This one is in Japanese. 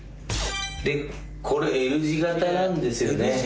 でこれＬ字型なんですよね。